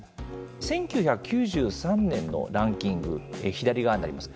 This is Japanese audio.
１９９３年のランキング左側になります。